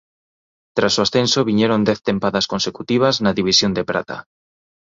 Tras o ascenso viñeron dez tempadas consecutivas na división de prata.